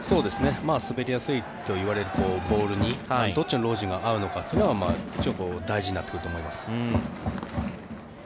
滑りやすいといわれるボールにどっちのロジンが合うのかって大事になってくると思います。